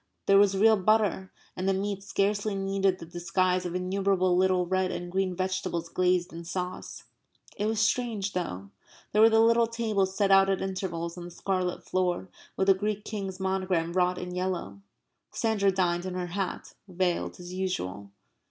There was real butter. And the meat scarcely needed the disguise of innumerable little red and green vegetables glazed in sauce. It was strange, though. There were the little tables set out at intervals on the scarlet floor with the Greek King's monogram wrought in yellow. Sandra dined in her hat, veiled as usual.